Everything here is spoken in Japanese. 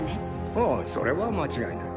ああそれは間違いない。